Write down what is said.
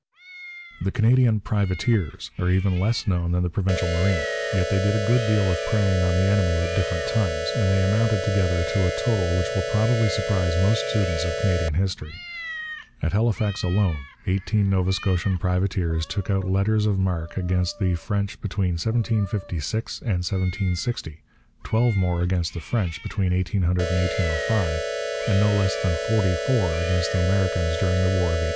The Canadian privateers are even less known than the Provincial Marine. Yet they did a good deal of preying on the enemy at different times, and they amounted altogether to a total which will probably surprise most students of Canadian history. At Halifax alone eighteen Nova Scotian privateers took out letters of marque against the French between 1756 and 1760, twelve more against the French between 1800 and 1805, and no less than forty four against the Americans during the War of 1812.